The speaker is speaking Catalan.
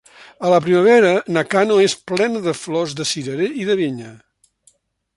A la primavera, Nakano és plena de flors de cirerer i de vinya.